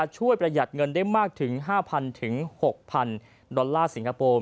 ประหยัดเงินได้มากถึง๕๐๐๖๐๐๐ดอลลาร์สิงคโปร์